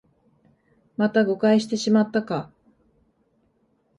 また誤解してしまったか